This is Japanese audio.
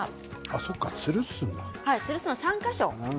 そうか、つるすのか。